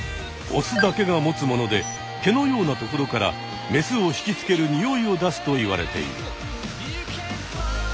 オスだけが持つもので毛のような所からメスを引きつけるにおいを出すといわれている。